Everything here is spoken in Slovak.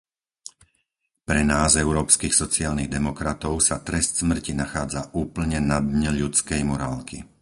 Pre nás Európskych sociálnych demokratov sa trest smrti nachádza úplne na dne ľudskej morálky.